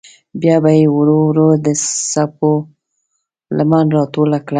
بیا به یې ورو ورو د څپو لمن راټوله کړه.